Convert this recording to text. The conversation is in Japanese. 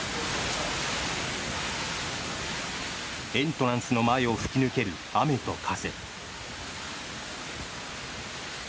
エントランスの前を吹き抜ける雨と風。